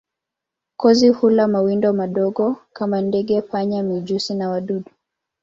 Kozi hula mawindo madogo kama ndege, panya, mijusi na wadudu.